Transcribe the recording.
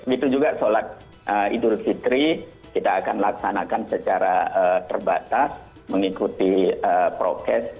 itu juga sholat idul fitri kita akan laksanakan secara terbatas mengikuti prokes